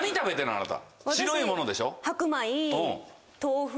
あなた白いものでしょ？